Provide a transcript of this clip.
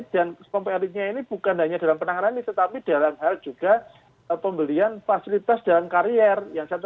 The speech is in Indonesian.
dan kelompok elitnya ini bukan hanya dalam penanggalan ini tetapi dalam hal juga pembelian fasilitas dan karier